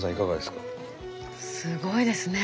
すごいですね。